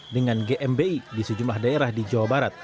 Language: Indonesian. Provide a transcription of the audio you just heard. dengan gmbi di sejumlah daerah di jawa barat